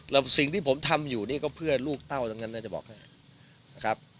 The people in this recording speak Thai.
แล้วสิ่งที่ผมทำอยู่นี่ก็เพื่อลูกเต้าตรงนั้นน่าจะบอกให้นะครับ